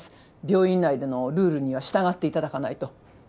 病院内でのルールには従って頂かないと。